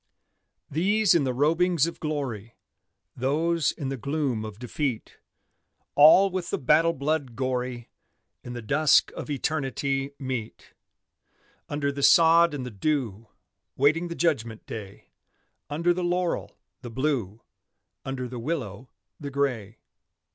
These in the robings of glory, Those in the gloom of defeat, All with the battle blood gory, In the dusk of eternity meet: Under the sod and the dew, Waiting the judgment day; Under the laurel, the Blue, Under the willow, the Gray.